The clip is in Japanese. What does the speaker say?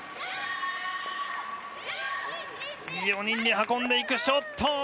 ４人で運んでいくショット。